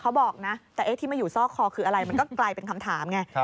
เขาบอกนะแต่เอ๊ะที่มาอยู่ซอกคอคืออะไรมันก็กลายเป็นคำถามไง